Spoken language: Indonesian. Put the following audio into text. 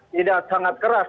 tidak sangat keras